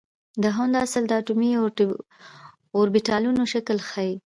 د هوند اصول د اټومي اوربیتالونو شکل ښيي.